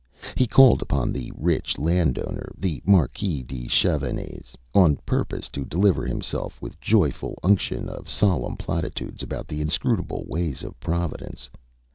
He called upon the rich landowner, the Marquis de Chavanes, on purpose to deliver himself with joyful unction of solemn platitudes about the inscrutable ways of Providence.